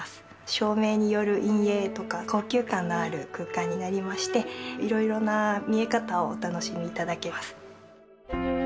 照明による陰影とか高級感のある空間になりまして色々な見え方をお楽しみいただけます